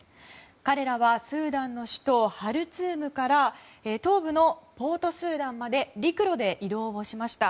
彼らはスーダンの首都ハルツームから東部のポートスーダンまで陸路で移動をしました。